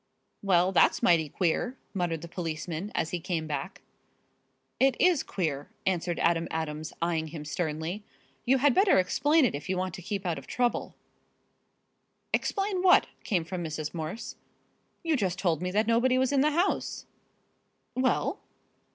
"Well, that's mighty queer," muttered the policeman, as he came back. "It is queer," answered Adam Adams, eying him sternly. "You had better explain it if you want to keep out of trouble." "Explain what?" came from Mrs. Morse. "You just told me that nobody was in the house." "Well?"